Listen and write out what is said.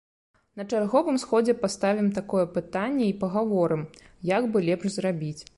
На чарговым сходзе паставім такое пытанне й пагаворым, як бы лепш зрабіць.